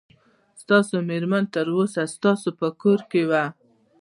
ستاسو مېرمن تر اوسه ستاسو په کور کې وه.